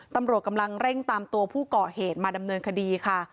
ตำรวจกำลังเร่งตามตัวผู้ก่อเหตุมาดำเนินคดีค่ะ